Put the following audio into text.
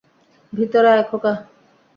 ভিতরে আয়, খোকা।